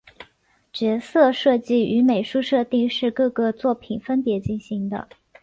角色设计与美术设定是各个作品分别进行的。